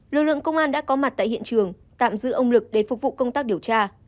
lực lượng công an đã có mặt tại hiện trường tạm giữ ông lực để phục vụ công tác điều tra